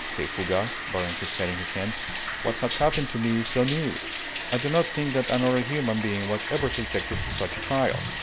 said Fougas, burying his head in his hands. "What has happened to me is so new! I do not think that another human being was ever subjected to such a trial.